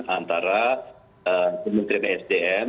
antara menteri psdm